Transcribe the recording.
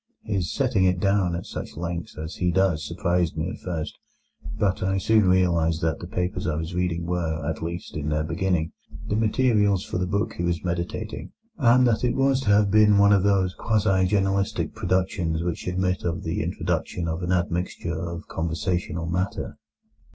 His setting it down at such length as he does surprised me at first; but I soon realized that the papers I was reading were, at least in their beginning, the materials for the book he was meditating, and that it was to have been one of those quasi journalistic productions which admit of the introduction of an admixture of conversational matter.